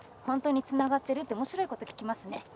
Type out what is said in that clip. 「本当につながってる？」って面白いこと聞きますね。